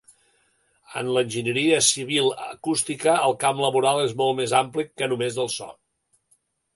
En l'Enginyeria Civil Acústica, el camp laboral és molt més ampli que només el so.